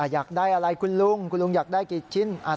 อยากได้อะไรคุณลุงคุณลุงอยากได้กี่ชิ้น